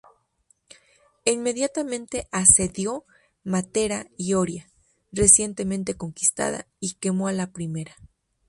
E inmediatamente asedió Matera y Oria, recientemente conquistada, y quemó a la primera.